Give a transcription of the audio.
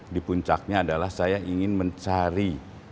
di puncaknya adalah saya ingin mencari